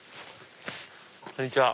こんにちは。